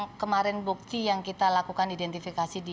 untuk yang kemarin bukti yang kita lakukan itu itu benar benar tulang janin